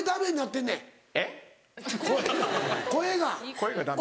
声がダメ？